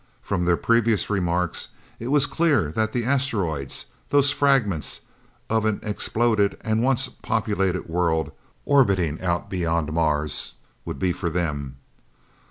From their previous remarks it was clear that the asteroids, those fragments of an exploded and once populated world, orbiting out beyond Mars, would be for them.